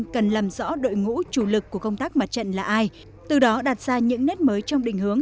cần làm rõ đội ngũ chủ lực của công tác mặt trận là ai từ đó đạt ra những nết mới trong đình hướng